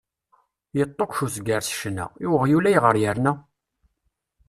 Yeṭṭukkek uzger s ccna; i weɣyul, ayɣer yerna?